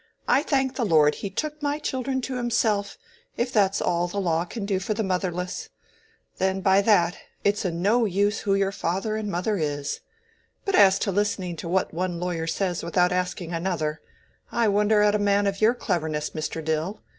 "I thank the Lord he took my children to Himself, if that's all the law can do for the motherless. Then by that, it's o' no use who your father and mother is. But as to listening to what one lawyer says without asking another—I wonder at a man o' your cleverness, Mr. Dill.